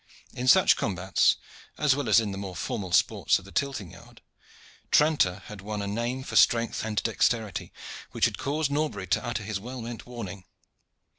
In such combats, as well as in the more formal sports of the tilting yard, Tranter had won a name for strength and dexterity which had caused Norbury to utter his well meant warning.